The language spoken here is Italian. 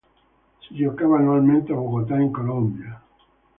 Si giocava annualmente a Bogotà in Colombia.